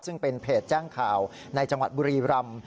ซึ่งเป็นเพจแจ้งข่าวในจังหวัดบุรีรำ